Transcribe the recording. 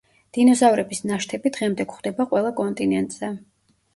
დინოზავრების ნაშთები დღემდე გვხვდება ყველა კონტინენტზე.